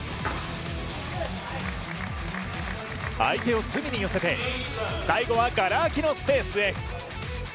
相手を隅に寄せて、最後はがら空きのスペースへ。